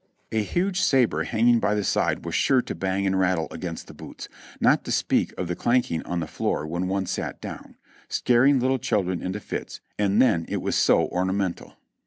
A huge sabre hanging by the side was sure to bang and rattle against the boots, not to speak of the clanking on the floor when one sat down, scaring little children into fits, and then it was so ornamental.